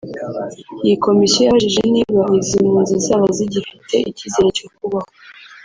Iyi Komisiyo yabajijwe niba izi mpunzi zaba zigifite icyizere cyo kubaho